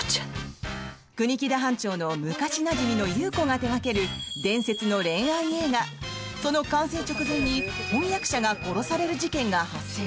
国木田班長の昔なじみの祐子が手掛ける伝説の恋愛映画その完成直前に翻訳者が殺される事件が発生。